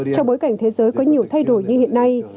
trong bối cảnh thế giới có nhiều thay đổi như hiện nay